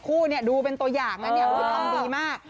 คู่นี้ดูเป็นตัวอย่างทำดีมาก